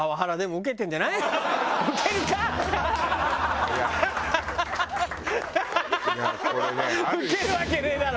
受けるわけねえだろ！